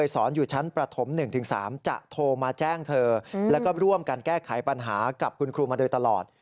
โทรมาแจ้งเธอแล้วก็ร่วมการแก้ไขปัญหากับคุณครูมาโดยตลอด